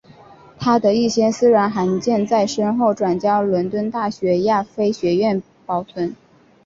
他的一些私人函件在身后转交伦敦大学亚非学院保存。